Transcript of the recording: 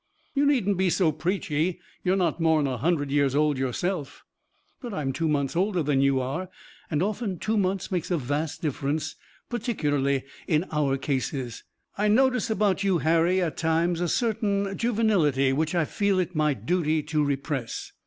"You needn't be so preachy. You're not more'n a hundred years old yourself." "But I'm two months older than you are and often two months makes a vast difference, particularly in our cases. I notice about you, Harry, at times, a certain juvenility which I feel it my duty to repress."